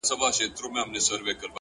حقیقي خوشحالي په زړه کې ده